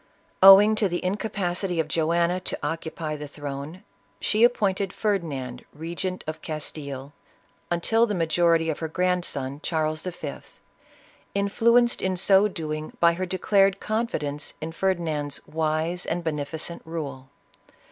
Owing to the incapacity of Joanna to occupy the throne, she appointed Ferdinand regent of Castile "until the majority of her grandson, Charles V., influenced in so doing by her declared confidence in Ferdinand's " wise and beneficent rule."